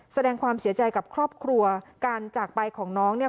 แสดงความเสียใจกับครอบครัวการจากไปของน้องเนี่ย